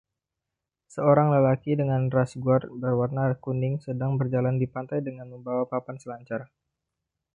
Seorang lelaki dengan rash guard berwarna kuning sedang berjalan di pantai dengan membawa papan selancar